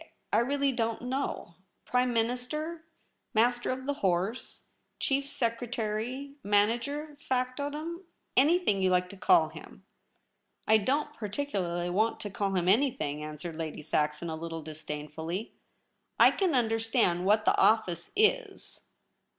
— I really don't know — Prime Tvlinister, Master of the Horse, Chief Secretary, manager, factotum — anything you like to call him.' ' I don't particularly want to call him any thing,' answered Lady Saxon, a little disdain fully. ' I can understand what the office is.